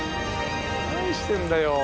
何してんだよ。